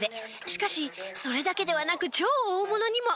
しかしそれだけではなく超大物にも！